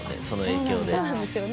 その影響で。